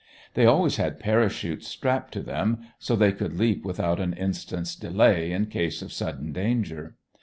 They always had parachutes strapped to them, so they could leap without an instant's delay in case of sudden danger.